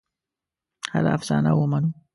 هره افسانه ومنو.